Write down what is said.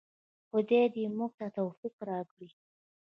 خدای دې موږ ته توفیق راکړي